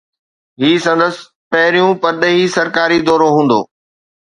هي سندس پهريون پرڏيهي سرڪاري دورو هوندو